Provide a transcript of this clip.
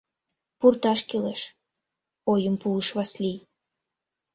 — Пурташ кӱлеш, — ойым пуыш Васлий.